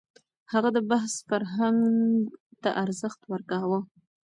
هغه د بحث فرهنګ ته ارزښت ورکاوه.